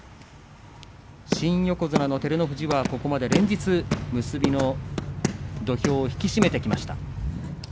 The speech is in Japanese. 新横綱照ノ富士、ここまで連日結びの土俵を引き締めてきました。